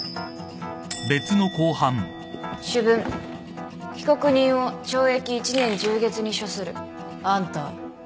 主文被告人を懲役１年１０月に処する。あんた。